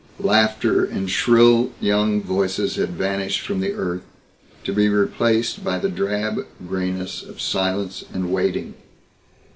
Laughter and shrill young voices had vanished from the earth to be replaced by the drab grayness of silence and waiting.